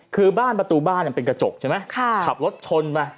คือบ้านประตูบ้านเป็นกระจกใช่ไหมขับรถชนมา